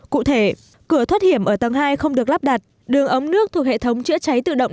cụ thể cửa thoát hiểm ở tầng hai không được lắp đặt đường ống nước thuộc hệ thống chữa cháy tự động